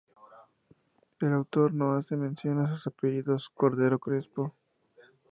El autor no hace mención a sus apellidos, Cordero Crespo.